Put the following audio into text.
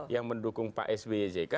yang mendukung pak sbejk